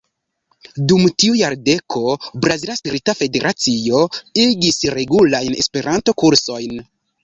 Dum tiu jardeko Brazila Spirita Federacio igis regulajn Esperanto-kursojn.